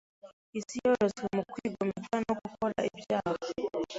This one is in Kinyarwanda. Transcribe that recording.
isi yoretswe mu kwigomeka no gukora ibyaha.